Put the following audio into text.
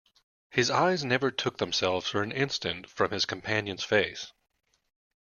His eyes never took themselves for an instant from his companion's face.